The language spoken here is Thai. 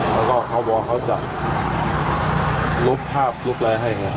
แล้วก็เขาบอกว่าเขาจะลุกภาพลุกรายให้